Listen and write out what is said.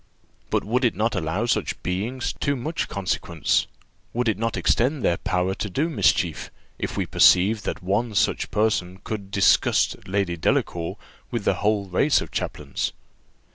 But would it not allow such beings too much consequence, would it not extend their power to do mischief, if we perceived that one such person could disgust Lady Delacour with the whole race of chaplains?"